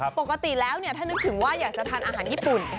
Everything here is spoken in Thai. ปกติแล้วถ้านึกถึงว่าอยากจะทานอาหารญี่ปุ่น